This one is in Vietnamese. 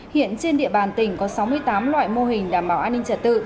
hiện trên địa bàn tỉnh có sáu mươi tám loại mô hình đảm bảo an ninh trật tự